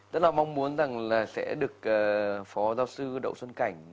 rất là mong muốn rằng là sẽ được phó giáo sư đậu xuân cảnh